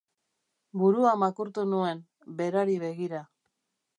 Burua makurtu nuen, berari begira.